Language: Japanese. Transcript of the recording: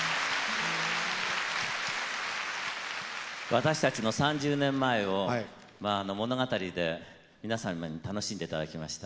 私たちの３０年前をまあ物語で皆様に楽しんでいただきました。